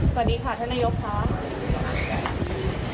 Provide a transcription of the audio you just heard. สวัสดีค่ะท่านนายกค่ะ